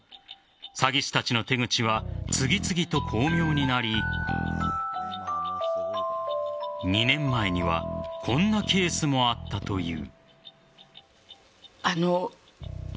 詐欺師たちの手口は次々と巧妙になり２年前にはこんなケースもあったという。